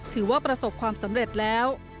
ถือว่าประสบความสำเร็จแล้ว